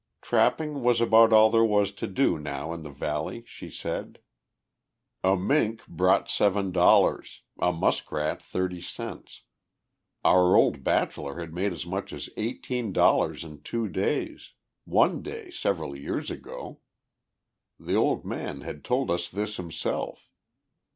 Trapping was about all there was to do now in the valley, she said. A mink brought seven dollars, a musk rat thirty cents. Our old bachelor had made as much as eighteen dollars in two days one day several years ago. The old man had told us this himself.